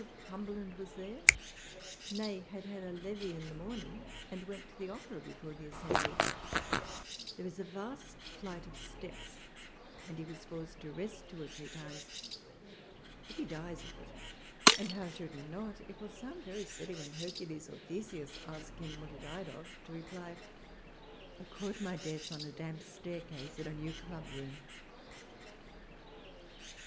105 of Cumberland was there ?— Nay, had had a levee in the morning, and went to tlio Opera before the assembly There is a vast flight of steps, and he was forced to rest two or three times. If he dies of it — and how should he not? —it will sound very silly when Hercules or Theseus ask him what he died of, to reply, '' i caught my death on a damp staircase at a new club room."